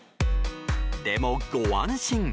でも、ご安心。